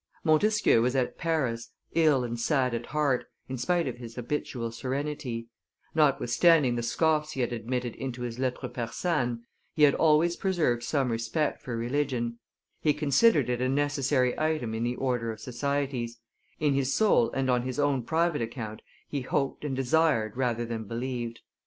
Montesquieu was at Paris, ill and sad at heart, in spite of his habitual serenity; notwithstanding the scoffs he had admitted into his Lettres persanes, he had always preserved some respect for religion; he considered it a necessary item in the order of societies; in his soul and on his own private account he hoped and desired rather than believed.